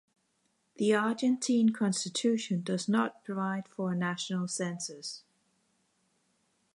The Argentine Constitution does not provide for a national census.